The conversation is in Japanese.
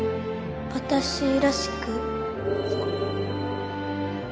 私らしく？